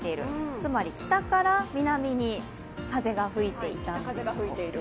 つまり北から南に風が吹いていたんです。